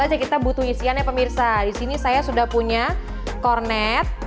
aja kita butuh isiannya pemirsa disini saya sudah punya kornet